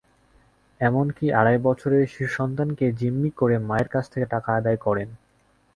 এমনকি আড়াই বছরের শিশুসন্তানকে জিম্মি করে মায়ের কাছ থেকে টাকা আদায় করেন।